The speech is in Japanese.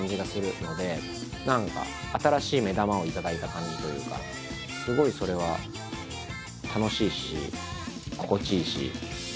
何か新しい目玉を頂いた感じというかすごいそれは楽しいし心地いいし。